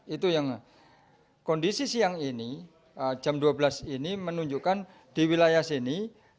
itu yang kondisi siang ini jam dua belas ini menunjukkan di wilayah sini